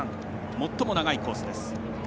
最も長いコースです。